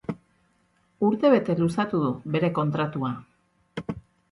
Urte bere luzatu du bere kontratua.